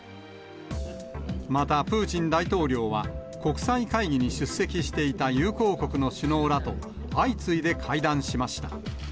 また、プーチン大統領は、国際会議に出席していた友好国の首脳らと相次いで会談しました。